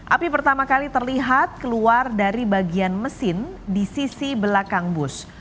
api pertama kali terlihat keluar dari bagian mesin di sisi belakang bus